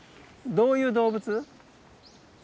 どういう動物？